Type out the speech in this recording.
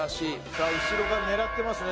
さあ後ろが狙ってますね